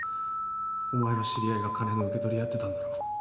お前の知り合いが金の受け取りやってたんだろ？